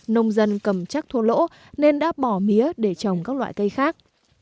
nông dân cầm chắc thua lỗ nên đã bỏ mía để trồng các loại cây khác